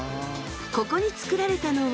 ここに作られたのは。